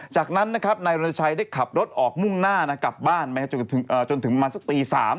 จากนั้นนะครับนายรณชัยได้ขับรถออกมุ่งหน้ากลับบ้านมาจนถึงประมาณสักตี๓